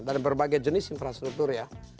dan berbagai jenis infrastruktur ya